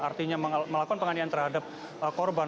artinya melakukan penganian terhadap korban